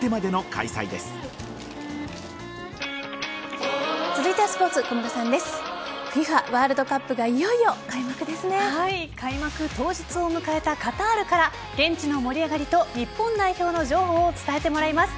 開幕当日を迎えたカタールから現地の盛り上がりと日本代表の情報を伝えてもらいます。